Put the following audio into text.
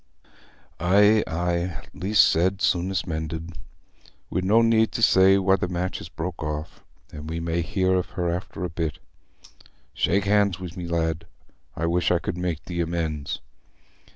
"Aye, aye; least said, soonest mended. We'n no need to say why the match is broke off, an' we may hear of her after a bit. Shake hands wi' me, lad: I wish I could make thee amends."